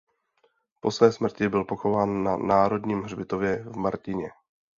Po své smrti byl pochován na Národním hřbitově v Martině.